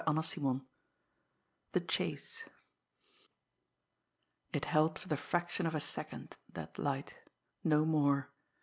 CHAPTER X THE CHASE It held for the fraction of a second, that light no more.